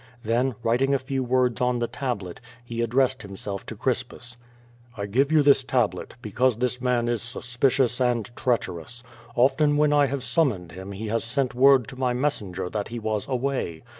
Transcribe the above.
Then, writing a few words on the tablet, he addressed himself to Crispus. "1 give you this tablet, because this man is suspicious and treacherous. Often when I have summoned him he has sent word to my messenger that he was away.